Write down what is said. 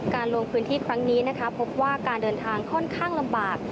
ลงพื้นที่ครั้งนี้นะคะพบว่าการเดินทางค่อนข้างลำบาก